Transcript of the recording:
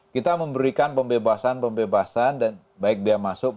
kita memberikan pembebasan pembebasan dan baik biaya masuk